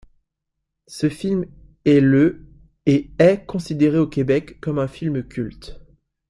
Ce film est le et est considéré au Québec comme un film culte.